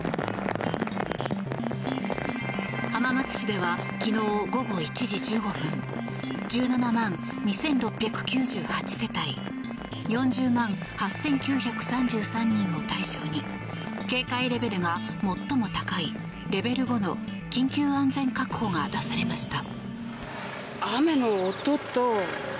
浜松市では昨日午後１時１５分１７万２６９８世帯４０万８９３３人を対象に警戒レベルが最も高いレベル５の緊急安全確保が出されました。